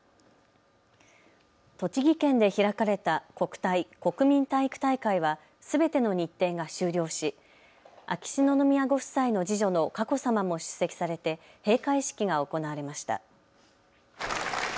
栃木県で開かれた国体・国民体育大会はすべての日程が終了し、秋篠宮ご夫妻の次女の佳子さまも出席されて閉会式が行われました。